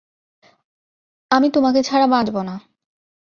আমি তোমাকে ছাড়া বাঁচব না।